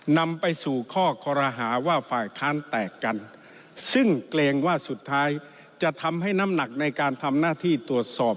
นำไปสู่ข้อคอรหาว่าฝ่ายค้านแตกกันซึ่งเกรงว่าสุดท้ายจะทำให้น้ำหนักในการทำหน้าที่ตรวจสอบ